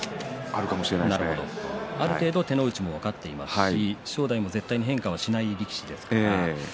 ある程度、手の内が分かっていますし正代も絶対、変化をしない力士ですからね。